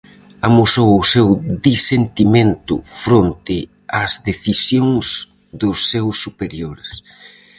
Amosou o seu disentimento fronte ás decisións dos seus superiores.